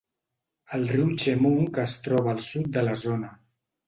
El riu Chemung es troba al sud de la zona.